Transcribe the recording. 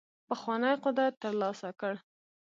پخوانی قدرت ترلاسه کړ.